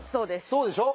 そうでしょ？